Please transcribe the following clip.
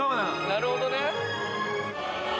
なるほどね。